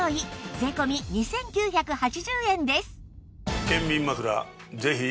税込２９８０円です